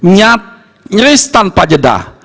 nyat nyeris tanpa jedah